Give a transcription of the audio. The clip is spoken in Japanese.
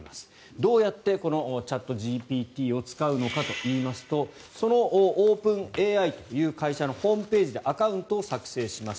どうやってこのチャットＧＰＴを使うのかといいますとそのオープンＡＩという会社のホームページでアカウントを作成します。